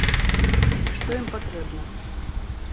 І што ім патрэбна.